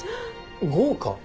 豪華？